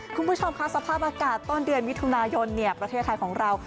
คุณผู้ชมค่ะสภาพอากาศต้นเดือนมิถุนายนประเทศไทยของเรา